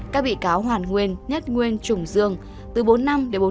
các vị cáo hoàn nguyên nhất nguyên trùng dương từ bốn năm đến bốn năm sáu tháng tù